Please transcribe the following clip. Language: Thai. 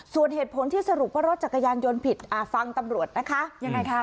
ส่วนเหตุผลที่สรุปว่ารถจักรยานยนต์ผิดอ่าฟังตำรวจนะคะยังไงคะ